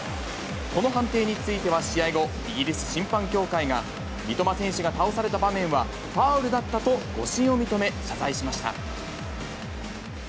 この判定については試合後、イギリス審判協会が、三笘選手が倒された場面はファウルだったと誤審を認め、謝罪しました。